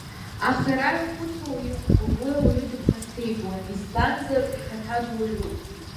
Ахара ихәыцуа уиқәгәыӷ, уи ауаҩы дыԥхасҭеитәуам, избанзар, ихаҭа дуаҩуп!